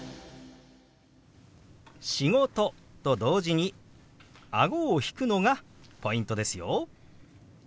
「仕事」と同時にあごを引くのがポイントですよ。